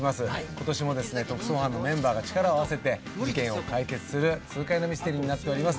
今年もですね特捜班のメンバーが力を合わせて事件を解決する痛快なミステリーになっております。